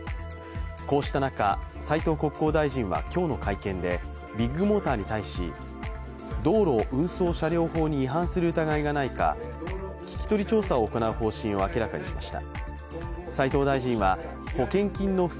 こうした中斉藤国交大臣は今日の会見でビッグモーターに対し、道路運送車両法に違反する疑いがないか聴き取り調査を行う方針を明らかにしました。